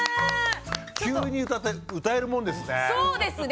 急に歌って歌えるもんですね。